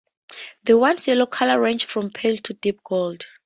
The wine's yellow color ranges from pale to deep gold.